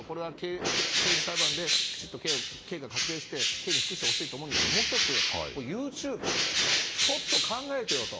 刑事裁判できちんと刑が確定して刑に服してほしいと思うんですがもう１つ、ＹｏｕＴｕｂｅはちょっと考えてよと。